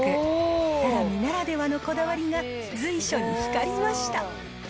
たらみならではのこだわりが随所に光りました。